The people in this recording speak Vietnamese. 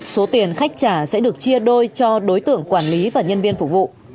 số tiền khách trả sẽ được chia đôi cho đối tượng quản lý và nhân viên phục vụ